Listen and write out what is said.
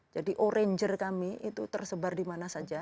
jadi orangernya kami itu tersebar dimana saja